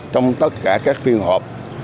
trong tất cả các phiên họp